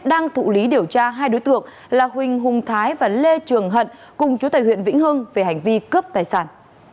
đang thụ lý điều tra hai đối tượng là huỳnh hùng thái và lê trường hận cùng chú tài huyện vĩnh hưng về hành vi cướp tài sản